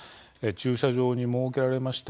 駐車場に設けられました